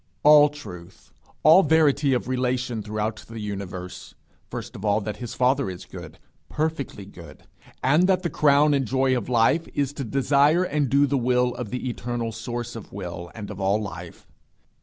All truth; all verity of relation throughout the universe first of all, that his father is good, perfectly good; and that the crown and joy of life is to desire and do the will of the eternal source of will, and of all life.